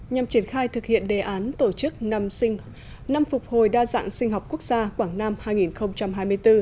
nhằm triển khai thực hiện đề án tổ chức năm phục hồi đa dạng sinh học quốc gia quảng nam hai nghìn hai mươi bốn